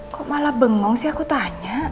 kok malah bengong sih aku tanya